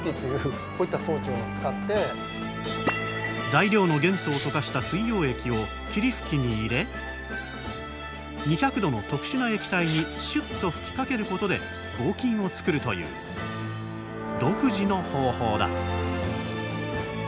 材料の元素を溶かした水溶液を霧吹きに入れ２００℃の特殊な液体にシュッと吹きかけることで合金を作るという独自の方法だ。